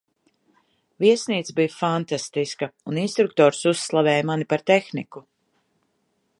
Viesnīca bija fantastiska, un instruktors uzslavēja mani par tehniku.